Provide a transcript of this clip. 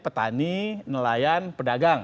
petani nelayan pedagang